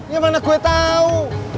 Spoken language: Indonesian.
ya mana gue tau